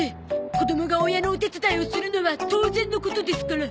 子供が親のお手伝いをするのは当然のことですから。